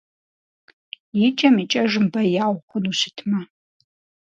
Икӏэм-икӏэжым бэяу, хъуну щытмэ!